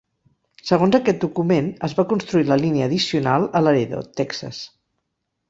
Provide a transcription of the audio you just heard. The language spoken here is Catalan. Segons aquest document, es va construir la línia addicional a Laredo, Texas.